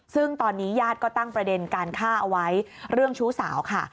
ซึ่งตอนนี้ญาติก็ตั้งประเด็นการฆ่าเอาไว้เรื่องชู้สาวค่ะ